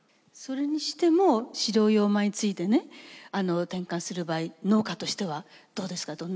それにしても飼料用米についてね転換する場合農家としてはどうですか？